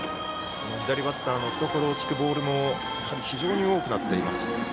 左バッターの懐を突くボールも非常に多くなっています。